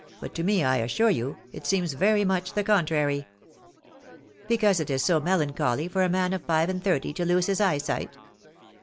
but to me, I assure you, it seems .very miek the contrary." ce Because it ia so melancholy for a man of five^and ihirty to lose his eye sight?